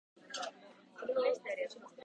手探りの日々に出会った手ごたえはあなたの笑顔で